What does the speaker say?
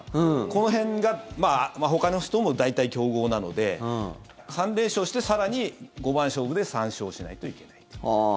この辺がほかの人も大体強豪なので３連勝して、更に五番勝負で３勝しないといけない。